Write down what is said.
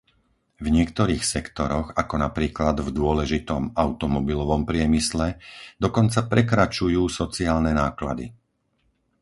V niektorých sektoroch, ako napríklad v dôležitom automobilovom priemysle dokonca prekračujú sociálne náklady.